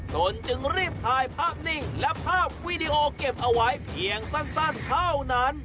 ตนจึงรีบถ่ายภาพนิ่งและภาพวีดีโอเก็บเอาไว้เพียงสั้นเท่านั้น